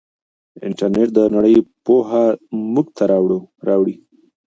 انټرنیټ د نړۍ پوهه موږ ته راوړي.